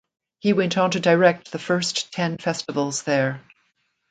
He went on to direct the first ten festivals there.